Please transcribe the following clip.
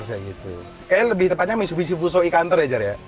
kayaknya lebih tepatnya mitsubishi fuso e counter ya jel ya